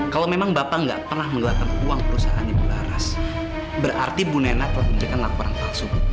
kalau memang bapak gak pernah menggelapkan uang perusahaan ibu laras berarti bu nenak telah memberikan laporan palsu